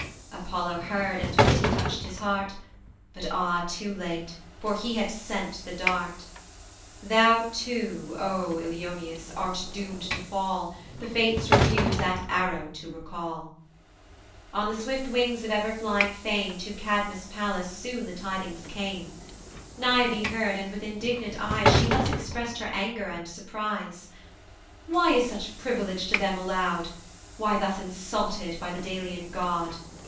Apollo heard, and pity touch'd his heart, But ah! too late, for he had sent the dart: Thou too, O Ilioneus, art doom'd to fall, The fates refuse that arrow to recal. On the swift wings of ever flying Fame To Cadmus' palace soon the tidings came: Niobe heard, and with indignant eyes She thus express'd her anger and surprise: "Why is such privilege to them allow'd? "Why thus insulted by the Delian god?